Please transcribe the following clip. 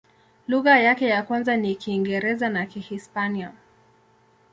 Lugha yake ya kwanza ni Kiingereza na Kihispania.